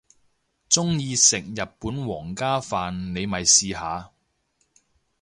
鍾意食日本皇家飯你咪試下